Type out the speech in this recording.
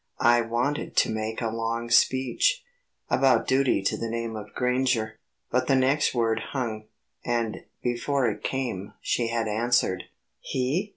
I wanted to make a long speech about duty to the name of Granger. But the next word hung, and, before it came, she had answered: "He?